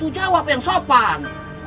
jawab yang sopan